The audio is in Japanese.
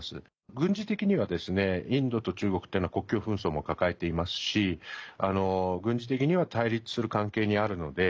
軍事的にはインドと中国っていうのは国境紛争も抱えていますし軍事的には対立する関係にあるので。